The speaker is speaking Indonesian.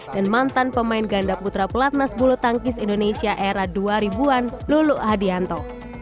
dan mantan pemain ganda putra pelatnas bulu tangkis indonesia era dua ribu an luluk hadianto